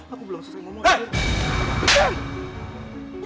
aku belum selesai ngomong